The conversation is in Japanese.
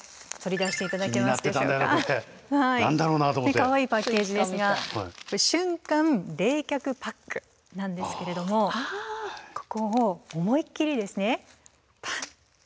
かわいいパッケージですが瞬間冷却パックなんですけれどもここを思いっきりですねパンッと。